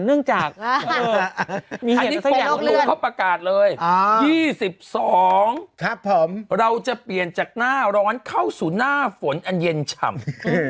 เนื่องจากอันนี้ก่อนคุณลุงเขาประกาศเลย๒๒เราจะเปลี่ยนจากหน้าร้อนเข้าสู่หน้าฝนอันเย็นฉ่ำ